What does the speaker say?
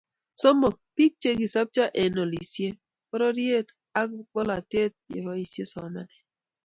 Somok, biik che kisopcho eng olisiet, bororiet ak bolatet ye boisie somanet